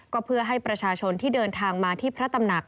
ก็เพื่อให้ประชาชนที่เดินทางมาที่พระตำหนัก